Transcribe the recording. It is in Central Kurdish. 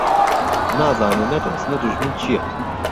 نازانێ نه دۆست نه دوژمن چییه